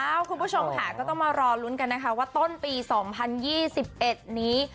อ่าวคุณผู้ชมต้องมารอรุ้นกันนะคะว่าต้นปีสองพันยี่สิบเอ็ดนี้